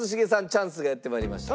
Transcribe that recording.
チャンスがやってまいりました。